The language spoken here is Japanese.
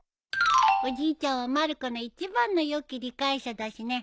おじいちゃんはまる子の一番のよき理解者だしね。